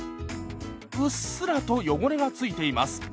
うっすらと汚れが付いています。